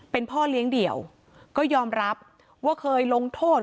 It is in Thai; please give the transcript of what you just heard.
เป็นพ่อเลี้ยงเดี่ยวก็ยอมรับว่าเคยลงโทษ